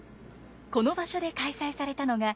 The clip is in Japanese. この場所で開催されたのが。